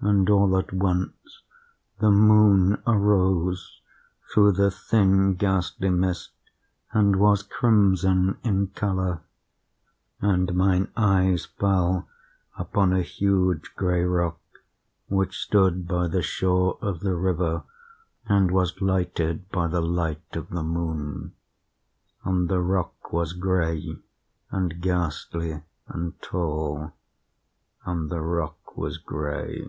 "And, all at once, the moon arose through the thin ghastly mist, and was crimson in color. And mine eyes fell upon a huge gray rock which stood by the shore of the river, and was lighted by the light of the moon. And the rock was gray, and ghastly, and tall,—and the rock was gray.